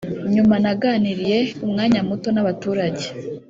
nyuma naganiriye umwanya muto n’abaturage